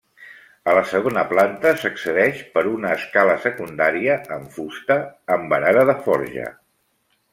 A la segona planta s'accedeix per una escala secundària en fusta amb barana de forja.